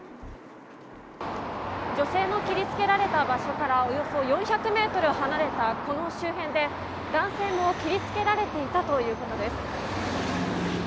女性の切りつけられた場所からおよそ４００メートル離れた、この周辺で、男性も切りつけられていたということです。